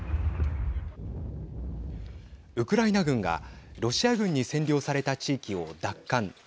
ウクライナ軍がロシア軍に占領された地域を奪還。